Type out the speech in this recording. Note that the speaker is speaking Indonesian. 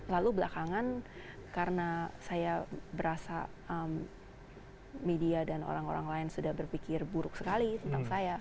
lalu belakangan karena saya berasa media dan orang orang lain sudah berpikir buruk sekali tentang saya